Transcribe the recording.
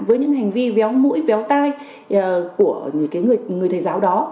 với những hành vi véo mũi béo tai của người thầy giáo đó